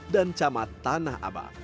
dan camat tanah abang